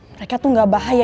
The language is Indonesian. mereka tuh gak bahaya